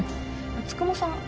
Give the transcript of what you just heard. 九十九さん